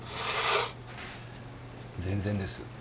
全然です。